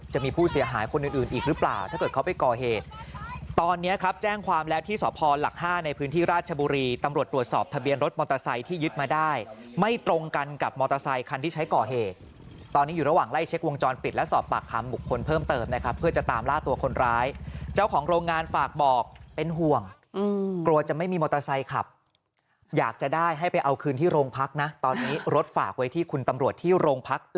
จะเป็นรถมอเตอร์ไซต์ที่ยึดมาได้ไม่ตรงกันกับมอเตอร์ไซต์คันที่ใช้ก่อเหตุตอนนี้อยู่ระหว่างไล่เช็ควงจรปิดและสอบปากคำบุคคลเพิ่มเติบนะครับเพื่อจะตามล่าตัวคนร้ายเจ้าของโรงงานฝากบอกเป็นห่วงกลัวจะไม่มีมอเตอร์ไซต์ขับอยากจะได้ให้ไปเอาคืนที่โรงพักนะตอนนี้รถฝากไว้ที่คุณตำรวจที่โร